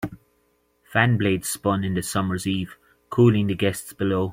Fan blades spun in the summer's eve, cooling the guests below.